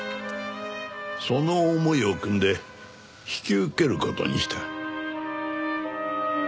その思いをくんで引き受ける事にした。